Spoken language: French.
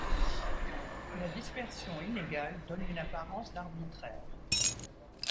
La dispersion inégale donne une apparence d’arbitraire.